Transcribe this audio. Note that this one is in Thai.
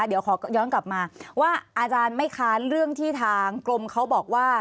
เดี๋ยวขอย้อนกลับมาว่าอาจารย์ไม่ค้านเรื่องที่ทางกรมเขาบอกว่า